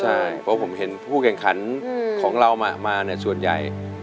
ใช่เพราะผมเห็นผู้แข่งขันของเรามาส่วนใหญ่